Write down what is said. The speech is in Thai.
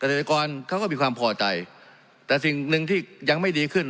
กระเทศกรรมเขาก็มีความโพธิแต่สิ่งหนึ่งที่ยังไม่ดีขึ้น